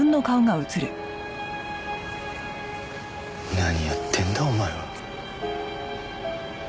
何やってんだお前は。